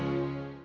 kau mau ngapain